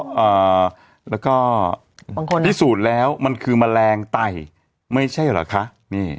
อ่าแล้วก็บางคนพิสูจน์แล้วมันคือแมลงไต่ไม่ใช่เหรอคะนี่